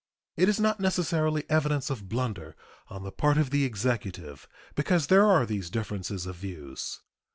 It is not necessarily evidence of blunder on the part of the Executive because there are these differences of views.